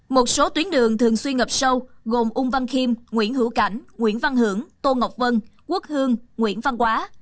một số tuyến đường thường xuyên ngập sâu gồm ung văn khiêm nguyễn hữu cảnh nguyễn văn hưởng tô ngọc vân quốc hương nguyễn văn quá